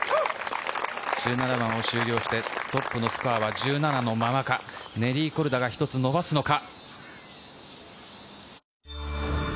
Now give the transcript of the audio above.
１７番を終了してトップのスコアは１７のままかネリー・コルダが１つ伸ばすのか。